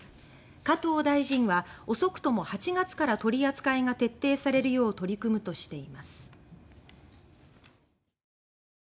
加藤大臣は「遅くとも８月から取り扱いが徹底されるよう取り組む」としています。